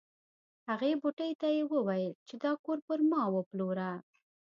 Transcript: هغې بوډۍ ته یې وویل چې دا کور پر ما وپلوره.